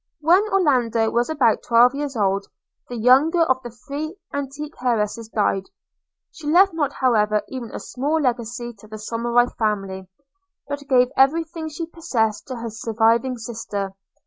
When Orlando was about twelve years old, the younger of the three antique heiresses died: she left not however even a small legacy to the Somerive family, but gave every thing she possessed to her surviving sister.